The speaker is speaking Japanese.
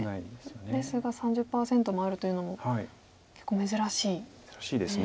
ですが３０％もあるというのも結構珍しいですね。